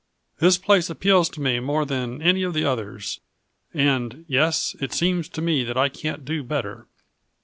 "His place appeals to me more than any of the others, and yes, it seems to me that I can't do better."